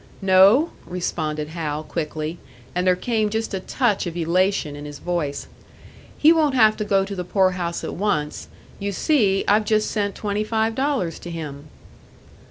"No," responded Hal, quickly and there came just a touch of elation in his voice "he won't have to go to the poor house at once. You see, I've just sent twenty five dollars to him."